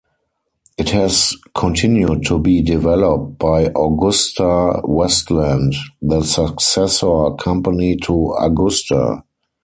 It has continued to be developed by AgustaWestland, the successor company to Agusta.